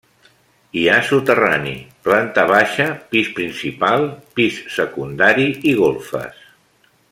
Hi ha soterrani, planta baixa, pis principal, pis secundari i golfes.